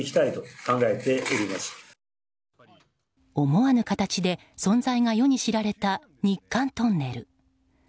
思わぬ形で存在が世に知られた日韓トンネル。